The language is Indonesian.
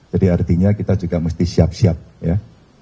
jadi artinya kita juga mesti siap siap ya